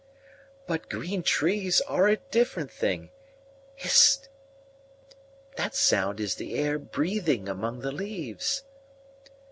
"But green trees are a different thing. Hist! that sound is the air breathing among the leaves!"